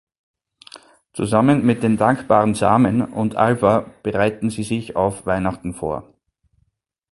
Zusammen mit den dankbaren Samen und Alva bereiten sie sich auf Weihnachten vor.